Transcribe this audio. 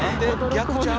逆ちゃう？